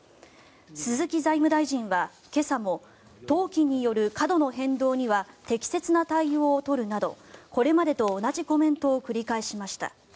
鈴木財務大臣は今朝も投機による過度の変動には適切な対応を取るなどこれまでと同じコメントを繰り返しました。